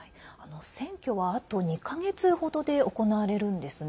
選挙は、あと２か月程で行われるんですね。